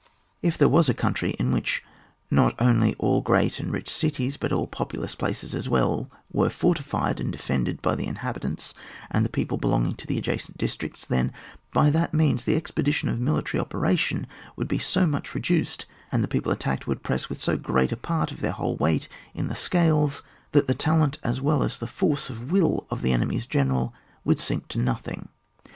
If there was CHAP. X.] FORTRESSES. 101 a country in wliich not only all great and rich cities, but all populous places as well were fortified, and defended by the in habitants and the people belonging to the adjacent districts, then by that means the expedition of military operation would be so much reduced, and the people at tacked would press with so g^eat a part of their whole weight in the scales, that the talent as well as the force of will of the enemy's general would sink to nothing.